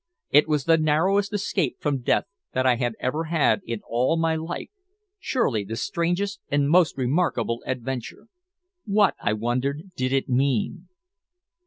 It was the narrowest escape from death that I had ever had in all my life surely the strangest and most remarkable adventure. What, I wondered, did it mean?